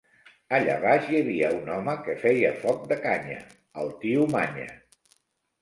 Allà baix hi havia un home que feia foc de canya, el tio Manya.